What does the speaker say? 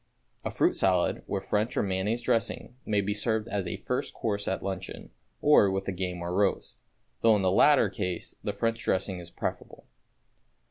A fruit salad, with French or mayonnaise dressing, may be served as a first course at luncheon, or with the game or roast, though in the latter case the French dressing is preferable.